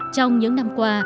trong những năm qua